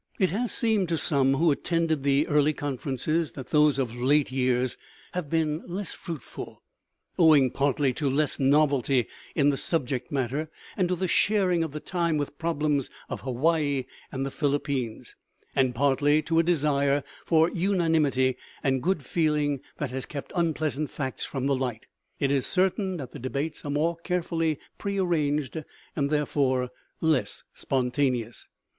It has seemed to some who attended the early conferences that those of late years have been less fruitful, owing partly to less novelty in the subject matter and to the sharing of the time with problems of Hawaii and the Philippines, and partly to a desire for unanimity and good feeling that has kept unpleasant facts from the light. It is certain that the debates are more carefully pre arranged and therefore less spontaneous.